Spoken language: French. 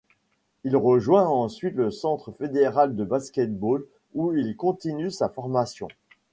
Il rejoint ensuite le Centre fédéral de basket-ball où il continue sa formation.